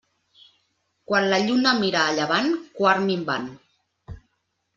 Quan la lluna mira a llevant, quart minvant.